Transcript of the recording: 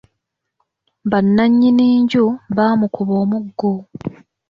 Bannannyini nju baamukuba omuggo.